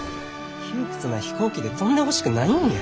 窮屈な飛行機で飛んでほしくないんや。